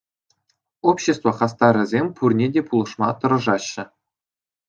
Общество хастарӗсем пурне те пулӑшма тӑрӑшаҫҫӗ.